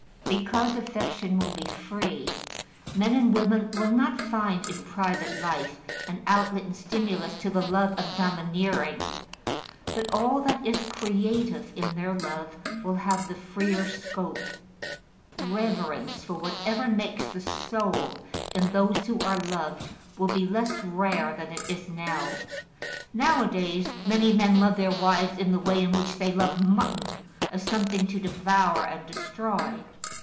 Because affection will be free, men and women will not find in private life an outlet and stimulus to the love of domineering, but all that is creative in their love will have the freer scope. Reverence for whatever makes the soul in those who are loved will be less rare than it is now: nowadays, many men love their wives in the way in which they love mutton, as something to devour and destroy.